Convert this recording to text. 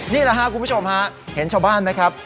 นี่ไลหลากคุณผู้ชมฮะเห็นชาวบ้านมั้ยครับ